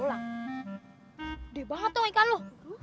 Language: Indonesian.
udah banget tong ikan lu